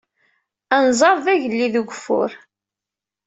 Anzar d agellid n ugeffur.